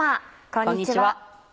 こんにちは。